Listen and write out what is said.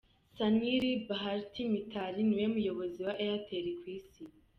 Sunil Bharti Mittal ni we muyobozi wa Airtel ku isi.